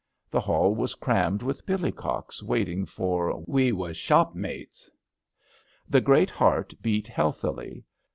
The hall was crammed with billycocks waiting for *rWe was shopmates.'' The great heart beat healthily.